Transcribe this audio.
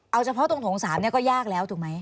เอาเฉพาะตรงถงสามก็ยากแล้วถูกไหม